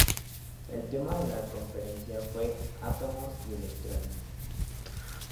El tema de la conferencia fue "Átomos y electrones".